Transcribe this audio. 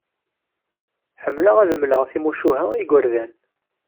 Ḥemmleɣ ad d-mleɣ timucuha i yigerdan